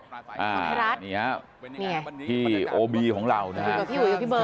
พี่รัฐนี่ไงอยู่กับพี่หุยพี่เบิร์ตที่โอบีของเรานะครับ